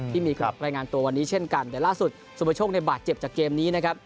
มีคนรายงานตัววันนี้เช่นกันแต่ล่าสุดสุประโชคในบาดเจ็บจากเกมนี้นะครับ